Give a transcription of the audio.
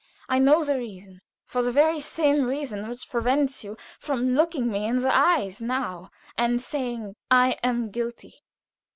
I know the reason; for the very same reason which prevents you from looking me in the eyes now, and saying, 'I am guilty.